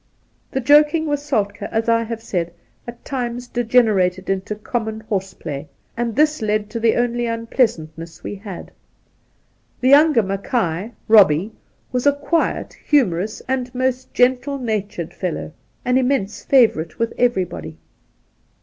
The joking with Soltke, as I have said, at times degenerated into common horseplay, and this led to the only unpleasantness we had. The younger Soltke 53 Mackay — Eobbie — was a quiet, humorous, and most gentle natured fellow, an immense favourite with everybody.